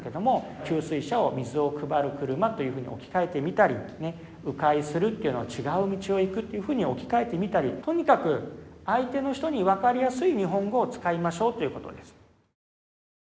「給水車」を「水をくばる車」というふうに置き換えてみたりね「う回する」というのを「ちがう道をいく」っていうふうに置き換えてみたりとにかく相手の人に分かりやすい日本語を使いましょうということです。